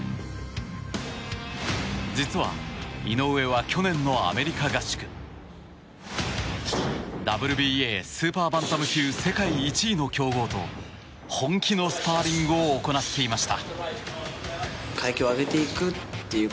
実は井上は去年のアメリカ合宿ＷＢＡスーパーバンタム級世界一の強豪と本気のスパーリングを行っていました。